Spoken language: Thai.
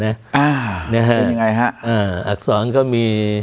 อักษรก็มี